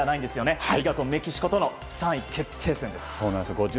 次はメキシコとの３位決定戦。